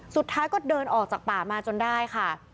สุดท้ายก็เดินออกจากป่ามาจนได้ค่ะ